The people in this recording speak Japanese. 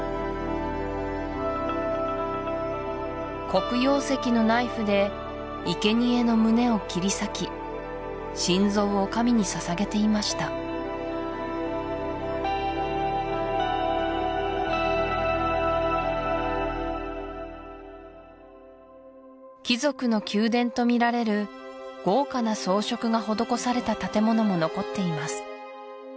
黒曜石のナイフでいけにえの胸を切り裂き心臓を神に捧げていました貴族の宮殿とみられる豪華な装飾が施された建物も残っています